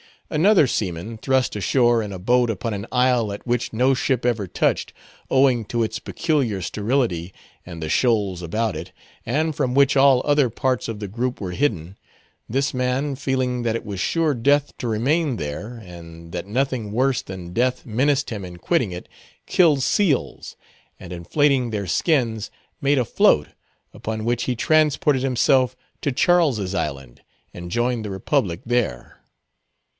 Another seaman, thrust ashore in a boat upon an isle at which no ship ever touched, owing to its peculiar sterility and the shoals about it, and from which all other parts of the group were hidden—this man, feeling that it was sure death to remain there, and that nothing worse than death menaced him in quitting it, killed seals, and inflating their skins, made a float, upon which he transported himself to Charles's Island, and joined the republic there.